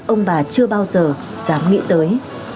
ông bà chưa bao giờ dám nghĩ tới